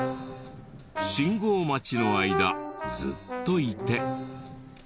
信号待ちの間ずっといて。